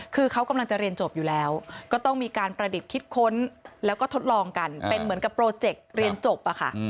คือเขากำลังจะเรียนจบอยู่แล้วก็ต้องมีการประดิษฐ์คิดค้นแล้วก็ทดลองกันเป็นเหมือนกับโปรเจกต์เรียนจบอะค่ะ